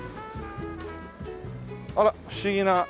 あら不思議な。